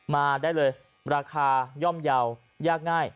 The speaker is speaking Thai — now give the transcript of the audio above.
มาได้เลยราคาย่อมเยาว์ยากง่าย